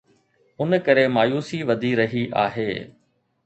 ان ڪري مايوسي وڌي رهي آهي.